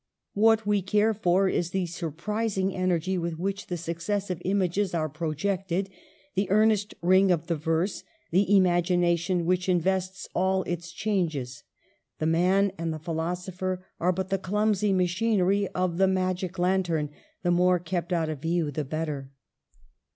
.What we care for is the surprising energy with which the suc cessive images are projected, the earnest ring of the verse, the imagination which invests all its changes. The man and the philosopher are but the clumsy machinery of the magic lantern, the more kept out of view the better.